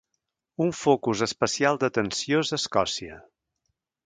Un focus especial d’atenció és Escòcia.